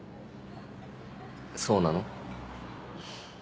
そうなの？